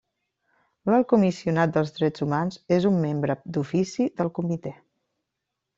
L'Alt Comissionat pels Drets Humans és un membre d'ofici del Comitè.